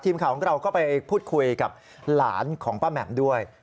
ทีมข่าวของเราก็ไปพูดคุยกับหลานของป้าแหม่มด้วย